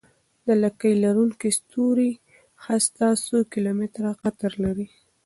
د لکۍ لرونکي ستوري هسته څو کیلومتره قطر لري.